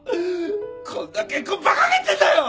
こんな結婚バカげてんだよ！